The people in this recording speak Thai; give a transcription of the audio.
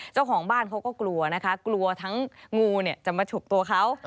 เจ้าของบ้านเขาก็กลัวนะคะกลัวทั้งงูจะมาฉุกตัวเขา